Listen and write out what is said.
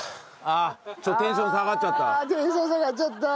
あテンション下がっちゃった。